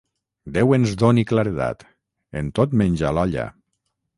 Déu ens doni claredat, en tot menys a l'olla.